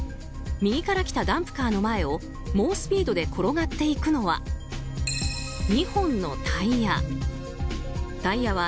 右から来たダンプカーの前を猛スピードで転がっていくのは２本のタイヤ。